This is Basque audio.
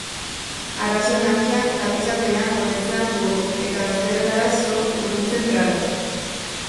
Arazoen hautsa tapiza pean gordetzen dugu eta bazterretara so urruntzen gara.